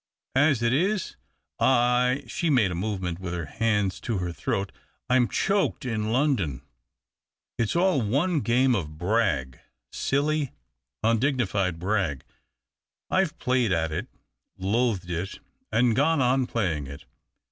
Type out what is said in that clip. As it is I "— she made a movement of her hands to her throat —" I am choked in London. It's all one game of brag — silly, undignified brag. I've played at it — loathed it — and gone on playing it.